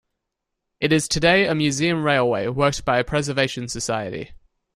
It is today a museum railway, worked by a preservation society.